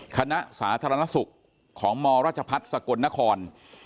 คณะสาธารณสุขของมรพสกนคร